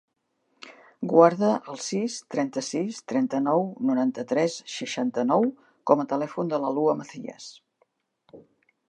Guarda el sis, trenta-sis, trenta-nou, noranta-tres, seixanta-nou com a telèfon de la Lua Macias.